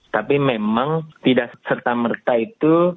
tapi memang tidak serta merta itu